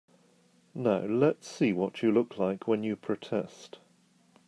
Now let's see what you look like when you protest.